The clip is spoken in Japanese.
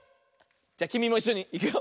じゃきみもいっしょにいくよ。